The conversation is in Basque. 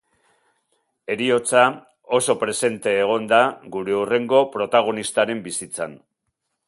Heriotza oso presente egon da gure hurrengo protagonistaren bizitzan.